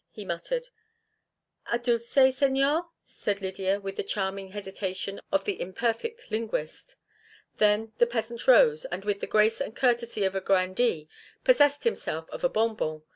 he muttered. "A dulce, señor?" said Lydia, with the charming hesitation of the imperfect linguist. Then the peasant rose, and with the grace and courtesy of a grandee possessed himself of a bonbon.